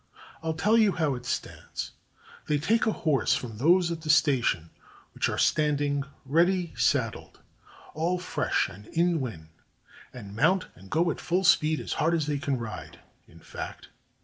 I'll tell you how it stands. They take a horse from those at the station which are standing ready saddled, all fresh and in wind, and mount and go at full speed as hard as they can ride, in fact.